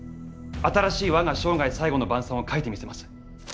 新しい「我が生涯最後の晩餐」を書いてみせます。